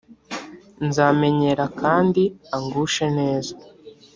nzamenyera kandi angushe neza